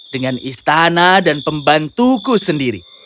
dengan istana dan pembantuku sendiri